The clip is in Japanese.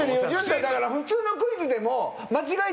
淳太だから普通のクイズでも。